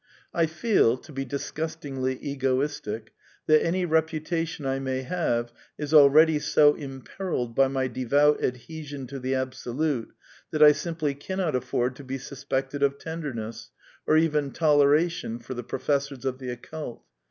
I feel (to be disgustingly egoistic) that any repu tation I may have is already so imperilled by my devout ad hesion to the Absolute that I simply cannot afford to be suspected of tenderness, or even toleration for the pro fessors of the occult.